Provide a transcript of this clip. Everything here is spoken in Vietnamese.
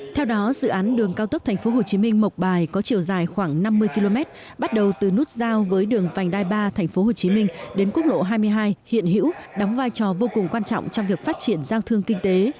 theo đó dự án đường cao tốc tp hcm mộc bài có chiều dài khoảng năm mươi km bắt đầu từ nút giao với đường vành đai ba tp hcm đến quốc lộ hai mươi hai hiện hữu đóng vai trò vô cùng quan trọng trong việc phát triển giao thương kinh tế